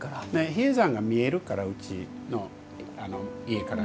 比叡山が見えるからうちの家から。